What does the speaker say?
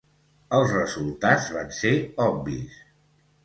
Els resultats van ser obvis.